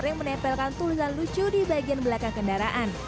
yang menempelkan tulisan lucu di bagian belakang kendaraan